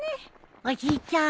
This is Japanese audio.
おじいちゃん